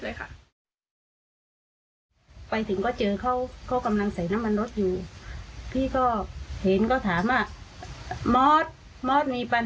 ด้วยคำที่หยาบคายและทำร้ายร่างกายตามที่เห็นในคลิป